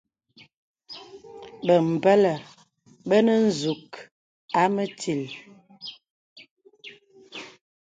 Bəmbə̀lə bə nə nzūk à mətíl.